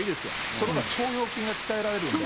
そのほうが腸腰筋が鍛えられるんで。